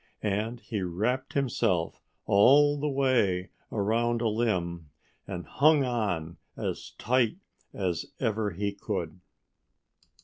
And he wrapped himself all the way around a limb and hung on as tight as ever he could.